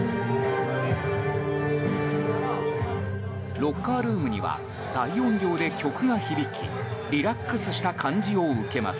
ロッカールームには大音量で曲が響きリラックスした感じを受けます。